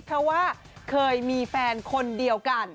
เพราะว่าเคยมีแฟนคนเดียวกัน